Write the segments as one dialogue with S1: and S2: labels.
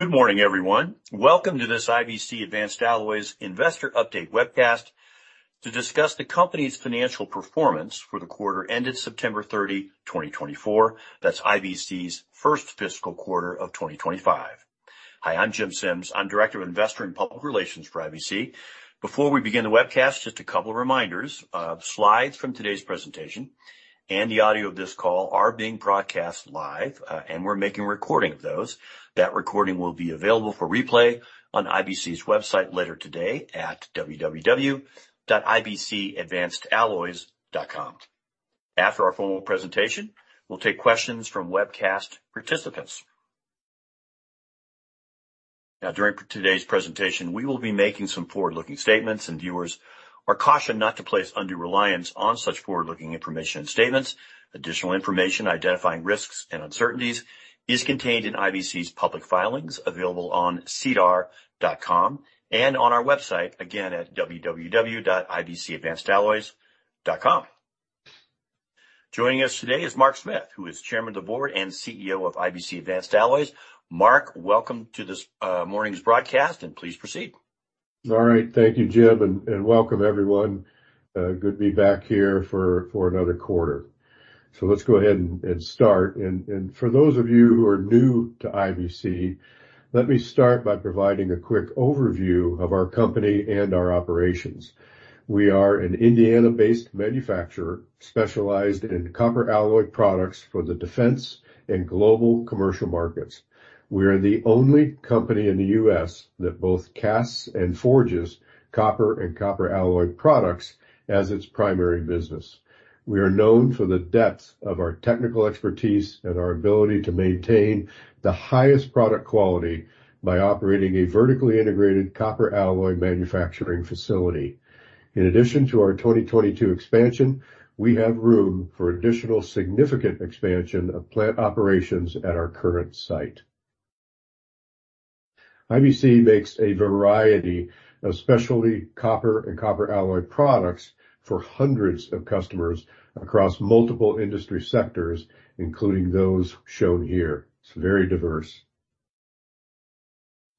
S1: Good morning, everyone. Welcome to this IBC Advanced Alloys Investor Update Webcast to discuss the company's financial performance for the quarter ended September 30, 2024. That's IBC's first fiscal quarter of 2025. Hi, I'm Jim Sims. I'm Director of Investor and Public Relations for IBC. Before we begin the webcast, just a couple of reminders: slides from today's presentation and the audio of this call are being broadcast live, and we're making a recording of those. That recording will be available for replay on IBC's website later today at www.ibcadvancedalloys.com. After our formal presentation, we'll take questions from webcast participants. Now, during today's presentation, we will be making some forward-looking statements, and viewers are cautioned not to place undue reliance on such forward-looking information and statements. Additional information identifying risks and uncertainties is contained in IBC's public filings available on SEDAR.com and on our website again at www.ibcadvancedalloys.com. Joining us today is Mark Smith, who is Chairman of the Board and CEO of IBC Advanced Alloys. Mark, welcome to this morning's broadcast, and please proceed.
S2: All right. Thank you, Jim, and welcome, everyone. Good to be back here for another quarter, so let's go ahead and start, and for those of you who are new to IBC, let me start by providing a quick overview of our company and our operations. We are an Indiana-based manufacturer specialized in copper alloy products for the defense and global commercial markets. We are the only company in the U.S. that both casts and forges copper and copper alloy products as its primary business. We are known for the depth of our technical expertise and our ability to maintain the highest product quality by operating a vertically integrated copper alloy manufacturing facility. In addition to our 2022 expansion, we have room for additional significant expansion of plant operations at our current site. IBC makes a variety of specialty copper and copper alloy products for hundreds of customers across multiple industry sectors, including those shown here. It's very diverse.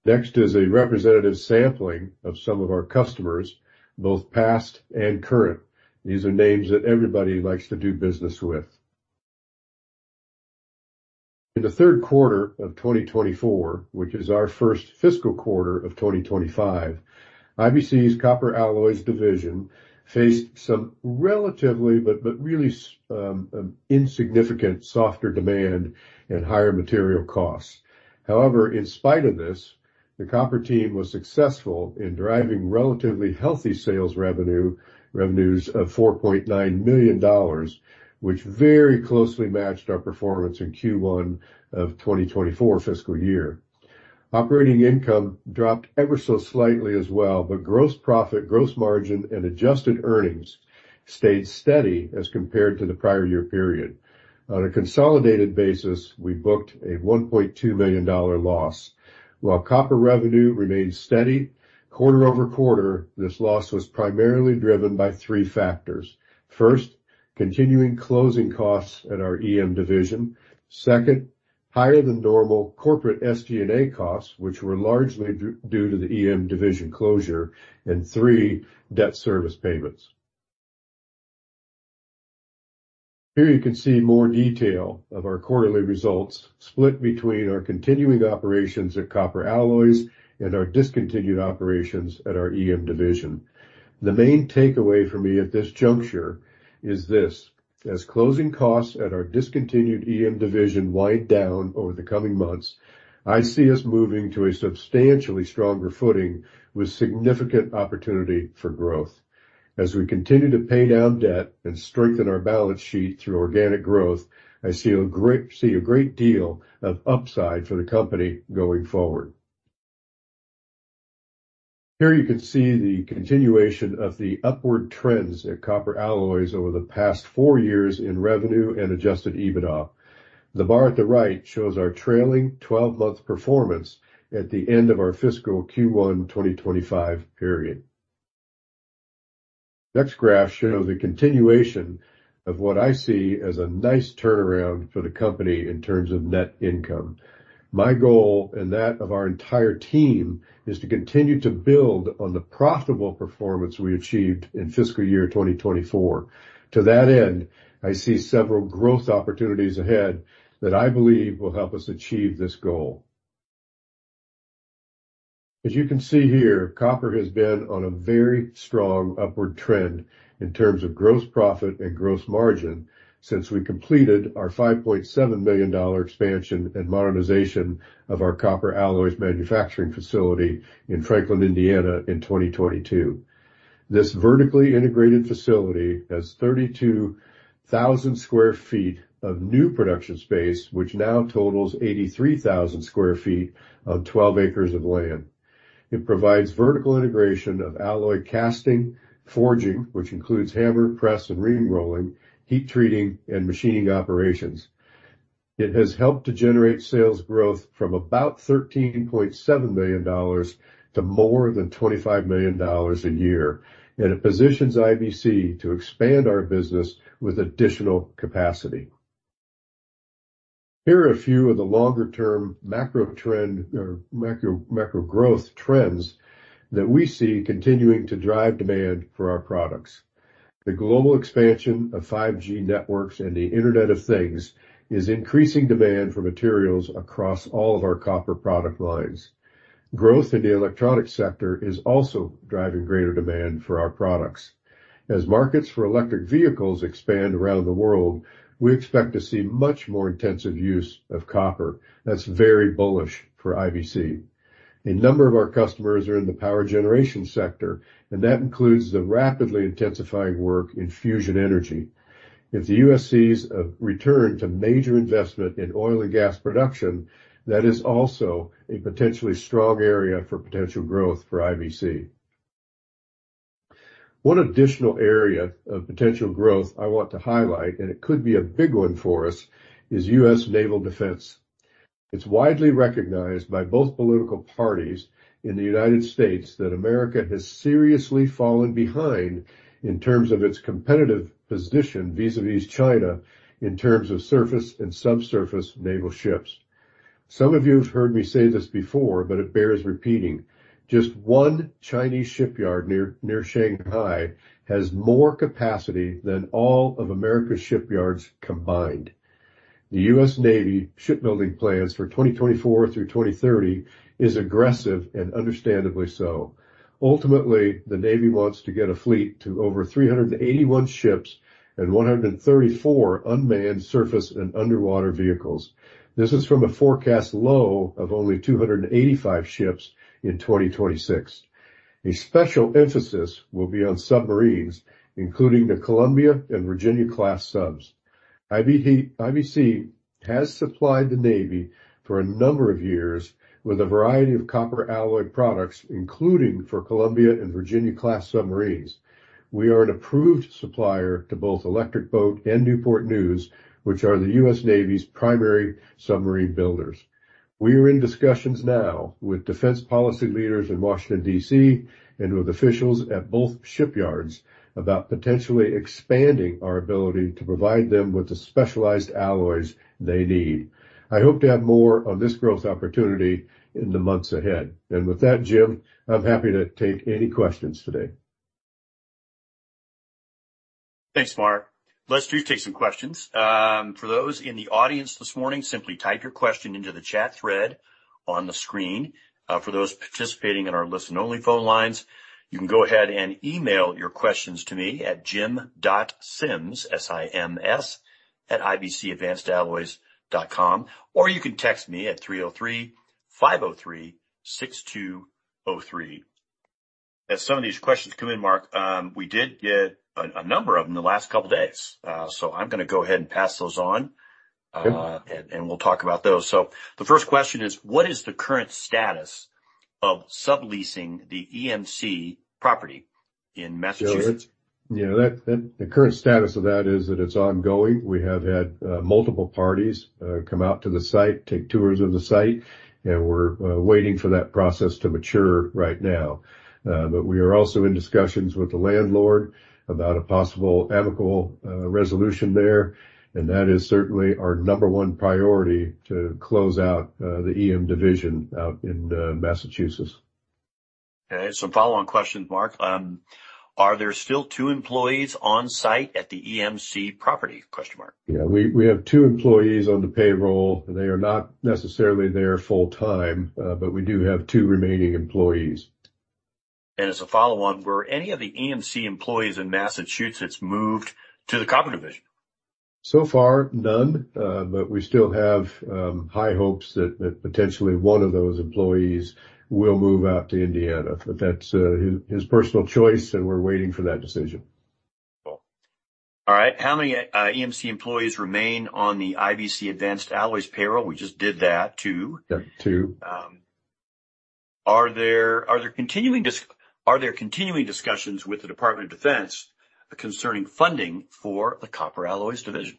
S2: Next is a representative sampling of some of our customers, both past and current. These are names that everybody likes to do business with. In the Q3 of 2024, which is our first fiscal quarter of 2025, IBC's copper alloys division faced some relatively, but really insignificant, softer demand and higher material costs. However, in spite of this, the copper team was successful in driving relatively healthy sales revenues of $4.9 million, which very closely matched our performance in Q1 of 2024 fiscal year. Operating income dropped ever so slightly as well, but gross profit, gross margin, and adjusted earnings stayed steady as compared to the prior year period. On a consolidated basis, we booked a $1.2 million loss. While copper revenue remained steady, quarter-over-quarter, this loss was primarily driven by three factors. First, continuing closing costs at our EM division. Second, higher than normal corporate SG&A costs, which were largely due to the EM division closure. And three, debt service payments. Here you can see more detail of our quarterly results split between our continuing operations at copper alloys and our discontinued operations at our EM division. The main takeaway for me at this juncture is this: as closing costs at our discontinued EM division wind down over the coming months, I see us moving to a substantially stronger footing with significant opportunity for growth. As we continue to pay down debt and strengthen our balance sheet through organic growth, I see a great deal of upside for the company going forward. Here you can see the continuation of the upward trends at copper alloys over the past four years in revenue and Adjusted EBITDA. The bar at the right shows our trailing 12-month performance at the end of our fiscal Q1 2025 period. Next graph shows the continuation of what I see as a nice turnaround for the company in terms of net income. My goal and that of our entire team is to continue to build on the profitable performance we achieved in fiscal year 2024. To that end, I see several growth opportunities ahead that I believe will help us achieve this goal. As you can see here, copper has been on a very strong upward trend in terms of gross profit and gross margin since we completed our $5.7 million expansion and modernization of our copper alloys manufacturing facility in Franklin, Indiana, in 2022. This vertically integrated facility has 32,000 sq ft of new production space, which now totals 83,000 sq ft on 12 acres of land. It provides vertical integration of alloy casting, forging, which includes hammer, press, and ring rolling, heat treating, and machining operations. It has helped to generate sales growth from about $13.7 million to more than $25 million a year, and it positions IBC to expand our business with additional capacity. Here are a few of the longer-term macro trend or macro growth trends that we see continuing to drive demand for our products. The global expansion of 5G networks and the Internet of Things is increasing demand for materials across all of our copper product lines. Growth in the electronics sector is also driving greater demand for our products. As markets for electric vehicles expand around the world, we expect to see much more intensive use of copper. That's very bullish for IBC. A number of our customers are in the power generation sector, and that includes the rapidly intensifying work in fusion energy. If the US sees a return to major investment in oil and gas production, that is also a potentially strong area for potential growth for IBC. One additional area of potential growth I want to highlight, and it could be a big one for us, is US Naval Defense. It's widely recognized by both political parties in the United States that America has seriously fallen behind in terms of its competitive position vis-à-vis China in terms of surface and subsurface naval ships. Some of you have heard me say this before, but it bears repeating. Just one Chinese shipyard near Shanghai has more capacity than all of America's shipyards combined. The U.S. Navy shipbuilding plans for 2024 through 2030 are aggressive, and understandably so. Ultimately, the Navy wants to get a fleet to over 381 ships and 134 unmanned surface and underwater vehicles. This is from a forecast low of only 285 ships in 2026. A special emphasis will be on submarines, including the Columbia and Virginia-class subs. IBC has supplied the Navy for a number of years with a variety of copper alloy products, including for Columbia and Virginia-class submarines. We are an approved supplier to both Electric Boat and Newport News, which are the U.S. Navy's primary submarine builders. We are in discussions now with defense policy leaders in Washington, D.C., and with officials at both shipyards about potentially expanding our ability to provide them with the specialized alloys they need. I hope to have more on this growth opportunity in the months ahead. And with that, Jim, I'm happy to take any questions today.
S1: Thanks, Mark. Let's do take some questions. For those in the audience this morning, simply type your question into the chat thread on the screen. For those participating in our listen-only phone lines, you can go ahead and email your questions to me at Jim.Sims, S-I-M-S, at ibcadvancedalloys.com, or you can text me at 303-503-6203. As some of these questions come in, Mark, we did get a number of them in the last couple of days. So I'm going to go ahead and pass those on, and we'll talk about those. So the first question is, what is the current status of subleasing the EMC property in Massachusetts?
S2: Yeah, the current status of that is that it's ongoing. We have had multiple parties come out to the site, take tours of the site, and we're waiting for that process to mature right now. But we are also in discussions with the landlord about a possible amicable resolution there, and that is certainly our number one priority to close out the EM division out in Massachusetts.
S1: Okay. So, following questions, Mark: Are there still two employees on-site at the EMC property?
S2: Yeah, we have two employees on the payroll. They are not necessarily there full-time, but we do have two remaining employees.
S1: And as a follow-on, were any of the EMC employees in Massachusetts moved to the copper division?
S2: So far, none, but we still have high hopes that potentially one of those employees will move out to Indiana. But that's his personal choice, and we're waiting for that decision.
S1: All right. How many EMC employees remain on the IBC Advanced Alloys payroll? We just did that, two.
S2: Two.
S1: Are there continuing discussions with the Department of Defense concerning funding for the copper alloys division?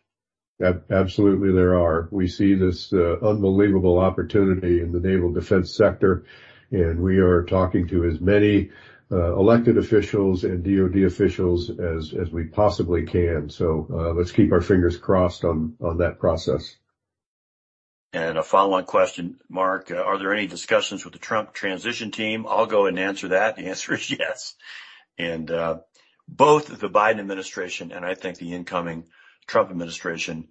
S2: Absolutely, there are. We see this unbelievable opportunity in the Naval Defense sector, and we are talking to as many elected officials and DoD officials as we possibly can. So let's keep our fingers crossed on that process.
S1: A follow-on question, Mark. Are there any discussions with the Trump transition team? I'll go and answer that. The answer is yes. Both the Biden administration and I think the incoming Trump administration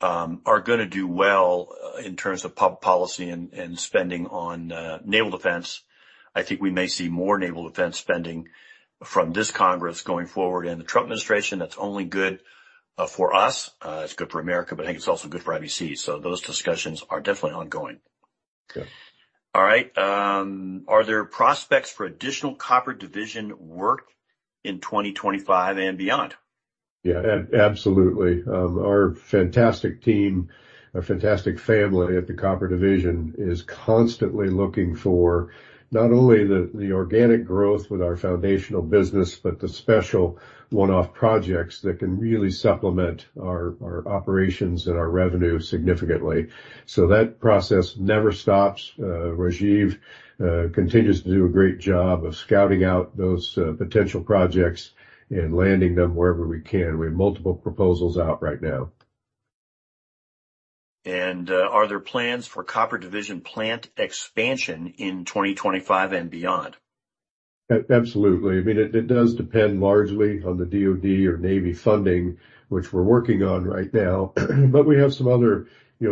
S1: are going to do well in terms of public policy and spending on naval defense. I think we may see more naval defense spending from this Congress going forward. The Trump administration, that's only good for us. It's good for America, but I think it's also good for IBC. So those discussions are definitely ongoing. All right. Are there prospects for additional copper division work in 2025 and beyond?
S2: Yeah, absolutely. Our fantastic team, our fantastic family at the copper division is constantly looking for not only the organic growth with our foundational business, but the special one-off projects that can really supplement our operations and our revenue significantly. So that process never stops. Rajiv continues to do a great job of scouting out those potential projects and landing them wherever we can. We have multiple proposals out right now.
S1: Are there plans for copper division plant expansion in 2025 and beyond?
S2: Absolutely. I mean, it does depend largely on the DoD or Navy funding, which we're working on right now. But we have some other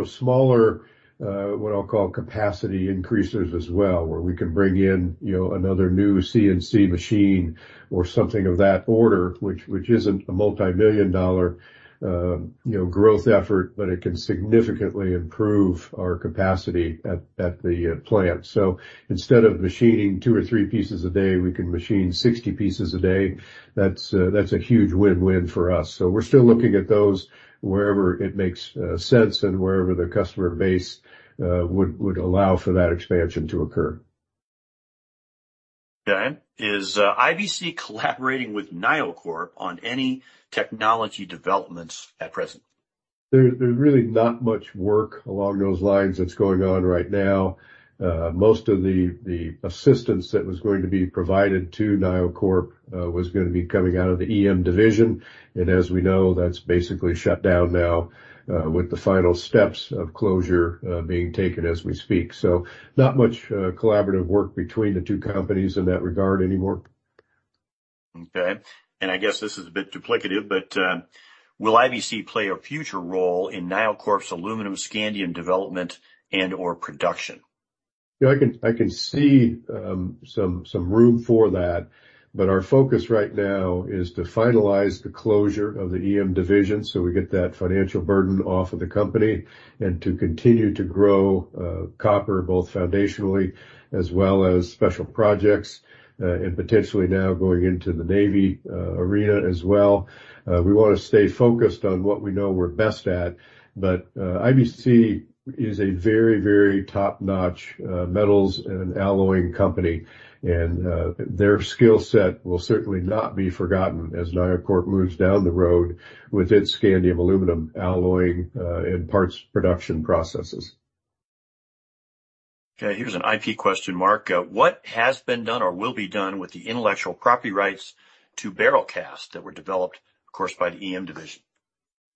S2: smaller, what I'll call capacity increases as well, where we can bring in another new CNC machine or something of that order, which isn't a multi-million dollar growth effort, but it can significantly improve our capacity at the plant. So instead of machining two or three pieces a day, we can machine 60 pieces a day. That's a huge win-win for us. So we're still looking at those wherever it makes sense and wherever the customer base would allow for that expansion to occur.
S1: Okay. Is IBC collaborating with NioCorp on any technology developments at present?
S2: There's really not much work along those lines that's going on right now. Most of the assistance that was going to be provided to NioCorp was going to be coming out of the EM division, and as we know, that's basically shut down now with the final steps of closure being taken as we speak, so not much collaborative work between the two companies in that regard anymore.
S1: Okay. And I guess this is a bit duplicative, but will IBC play a future role in NioCorp's aluminum scandium development and/or production?
S2: Yeah, I can see some room for that. But our focus right now is to finalize the closure of the EM division so we get that financial burden off of the company and to continue to grow copper, both foundationally as well as special projects and potentially now going into the Navy arena as well. We want to stay focused on what we know we're best at. But IBC is a very, very top-notch metals and alloying company. And their skill set will certainly not be forgotten as NioCorp moves down the road with its scandium aluminum alloying and parts production processes.
S1: Okay. Here's an IP question, Mark. What has been done or will be done with the intellectual property rights to Beralcast that were developed, of course, by the EM division?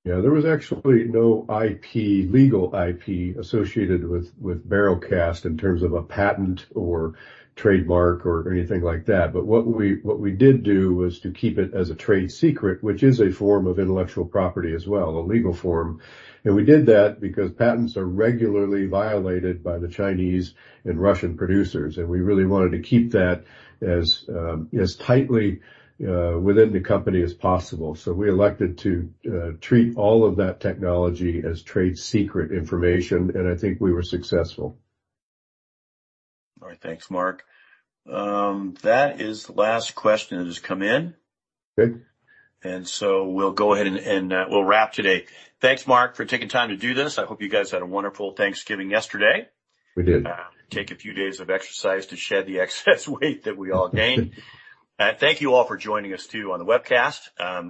S2: Yeah, there was actually no legal IP associated with Beralcast in terms of a patent or trademark or anything like that. But what we did do was to keep it as a trade secret, which is a form of intellectual property as well, a legal form. And we did that because patents are regularly violated by the Chinese and Russian producers. And we really wanted to keep that as tightly within the company as possible. So we elected to treat all of that technology as trade secret information. And I think we were successful.
S1: All right. Thanks, Mark. That is the last question that has come in.
S2: Okay.
S1: And so we'll go ahead and we'll wrap today. Thanks, Mark, for taking time to do this. I hope you guys had a wonderful Thanksgiving yesterday.
S2: We did.
S1: Take a few days of exercise to shed the excess weight that we all gained. Thank you all for joining us too on the webcast.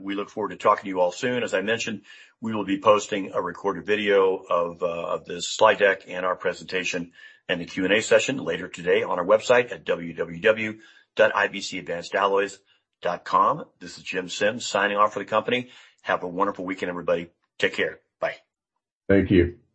S1: We look forward to talking to you all soon. As I mentioned, we will be posting a recorded video of this slide deck and our presentation and the Q&A session later today on our website at www.ibcadvancedalloys.com. This is Jim Sims signing off for the company. Have a wonderful weekend, everybody. Take care. Bye.
S2: Thank you.